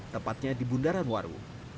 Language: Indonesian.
tempatnya di bundaran waru